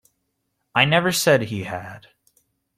I never said he had.